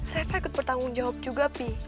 refe ikut bertanggung jawab juga pi